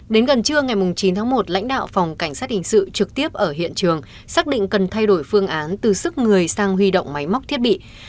đến gần trưa ngày chín tháng một lãnh đạo phòng cảnh sát hình sự trực tiếp ở hiện trường xác định cần thay đổi phương án từ sức người sang huy động máy móc thiết bị